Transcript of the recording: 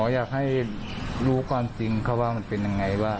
อยากให้รู้ความจริงเขาว่ามันเป็นยังไงว่า